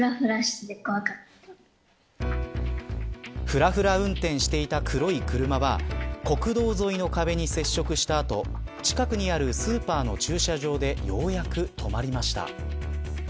ふらふら運転していた黒い車は国道沿いの壁に接触した後近くにあるスーパーの駐車場でようやく止まりました。